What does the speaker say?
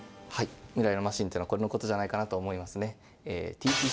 未来のマシンというのはこれのことじゃないかと思いますね。